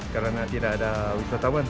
karena tidak ada wisatawan